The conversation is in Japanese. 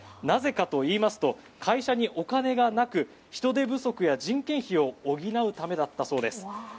なぜかといいますと会社にお金がなく人手不足や人件費を補うためだったそうです。